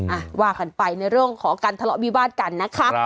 อ่ะว่ากันไปในเรื่องของการทะเลาะวิวาดกันนะคะ